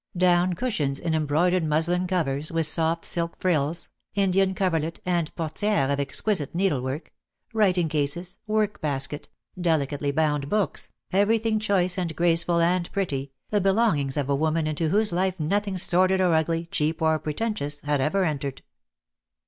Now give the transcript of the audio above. Down cushions in embroidered muslin covers, with soft silk frills, Indian coverlet and portiere of exquisite needle work, writing cases, work basket, delicately bound books, everything choice and graceful and pretty, the belongings of a woman into whose hfe nothing sordid or ugly, cheap or pretentious, had ever entered.